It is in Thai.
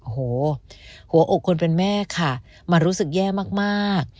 โอ้โหหัวอกคนเป็นแม่ค่ะมารู้สึกแย่มาก